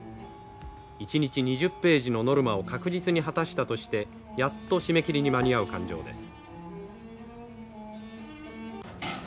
一日２０ページのノルマを確実に果たしたとしてやっと締め切りに間に合う勘定です。